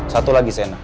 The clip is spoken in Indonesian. satu lagi sena